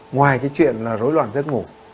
ngoài cái chuyện là dối loạn giấc ngủ